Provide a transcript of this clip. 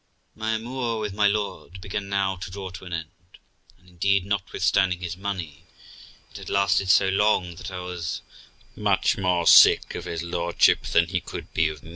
My amour with my Lord began now to draw to an end, and indeed, notwithstanding his money, it had lasted so long, that I was much more sick of his lordship than he could be of me.